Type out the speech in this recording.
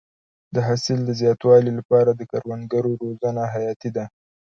د حاصل د زیاتوالي لپاره د کروندګرو روزنه حیاتي ده.